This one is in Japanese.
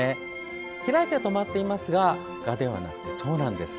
開いてとまっていますがガではなくてチョウなんです。